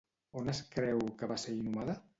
On es creu que va ser inhumada?